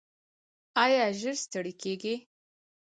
ایا ژر ستړي کیږئ؟